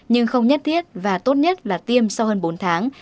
nhưng không nhất thiết và tốt nhất là tiêm sau hơn bốn tháng